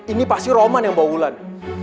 ini pasti roman yang bawa wulan